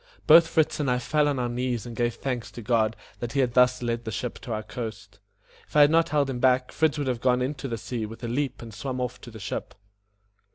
Both Fritz and I fell on our knees and gave thanks to God that He had thus led the ship to our coast. If I had not held him back, Fritz would have gone into the sea with a leap and swum off to the ship.